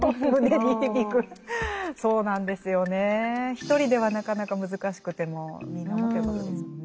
一人ではなかなか難しくてもみんな思ってることですもんね。